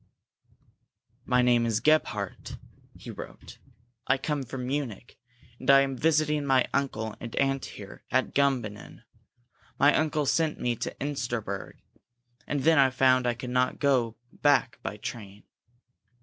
"My name is Gebhardt," he wrote. "I come from Munich, and I am visiting my uncle and aunt here at Gumbinnen. My uncle sent me to Insterberg and then I found I could not go back by train.